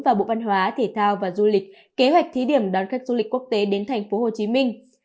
và bộ văn hóa thể thao và du lịch kế hoạch thí điểm đón khách du lịch quốc tế đến thành phố hồ chí minh